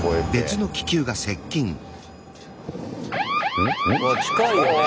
うわっ近いよねえ。